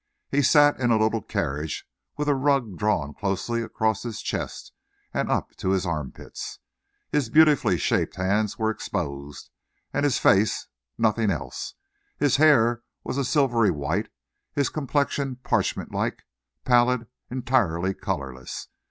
He sat in a little carriage, with a rug drawn closely across his chest and up to his armpits. His beautifully shaped hands were exposed, and his face; nothing else. His hair was a silvery white; his complexion parchment like, pallid, entirely colourless.